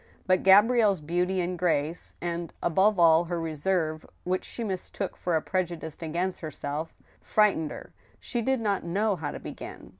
But Gabrielle's beauty and grace, and, above all, her reserve, which she mistook for a prejudice against herself, frightened her. She did not know how to begin.